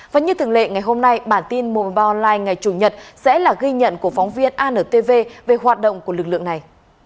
và như thường lệ ngày hôm nay bản tin một trăm một mươi ba online ngày chủ nhật sẽ là ghi nhận của phóng viên antv về hoạt động của lực lượng này